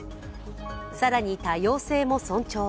更に、多様性も尊重。